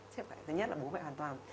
thứ nhất là bố mẹ hoàn toàn